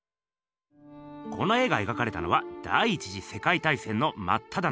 この絵が描かれたのは第１次世界大戦のまっただ中。